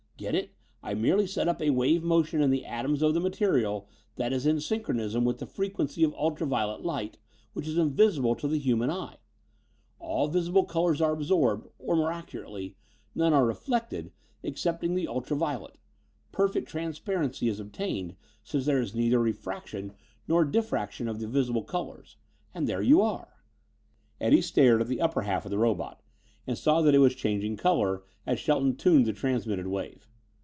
Get it? I merely set up a wave motion in the atoms of the material that is in synchronism with the frequency of ultra violet light, which is invisible to the human eye. All visible colors are absorbed, or more accurately, none are reflected excepting the ultra violet. Perfect transparency is obtained since there is neither refraction nor diffraction of the visible colors. And there you are!" Eddie stared at the upper half of the robot and saw that it was changing color as Shelton tuned the transmitted wave.